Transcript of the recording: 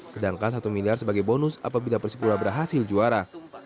sedangkan satu miliar sebagai bonus apabila persipura berhasil juara